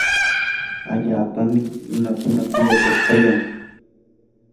lapan runakuna kuyakuqi kayan.